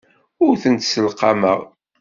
Ur tent-sselqameɣ.